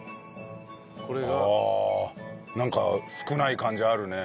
ああなんか少ない感じあるね。